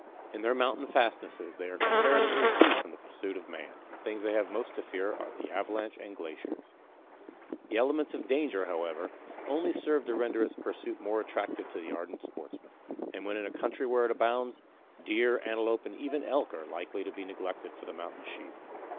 In their mountain fastnesses they are comparatively free from the pursuit of man; the things they have most to fear are the avalanche and glaciers. The elements of danger, however, only serve to render its pursuit more attractive to the ardent sportsman, and when in a country where it abounds, deer, antelope, and even elk are likely to be neglected for the Mountain Sheep.